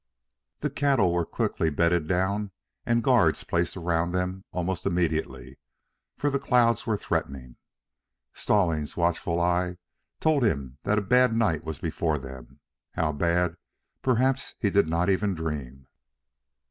The cattle were quickly bedded down and guards placed around them almost immediately, for the clouds were threatening. Stallings' watchful eyes told him that a bad night was before them. How bad, perhaps he did not even dream.